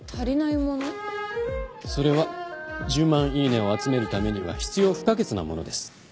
それは１０万イイネを集めるためには必要不可欠なものです。